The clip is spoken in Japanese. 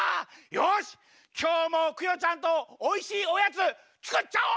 よしきょうもクヨちゃんとおいしいおやつつくっちゃお！